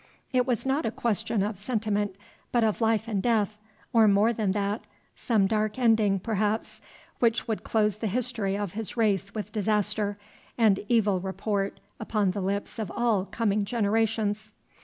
It was not a question of sentiment, but of life and death, or more than that, some dark ending, perhaps, which would close the history of his race with disaster and evil report upon the lips of all coming generations.